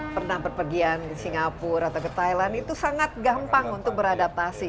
pernah berpergian di singapura atau ke thailand itu sangat gampang untuk beradaptasi